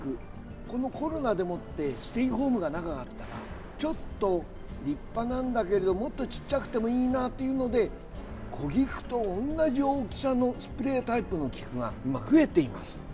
このコロナでもってステイホームが長かったからちょっと立派なんだけれどもっとちっちゃくてもいいなっていうので小菊と同じ大きさのスプレータイプの菊が今、増えています。